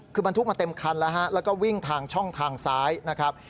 คือบรรทุกมาเต็มคันแล้วฮะแล้วก็วิ่งทางช่องทางซ้ายนะครับ